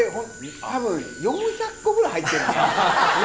たぶん４００個ぐらい入ってるね。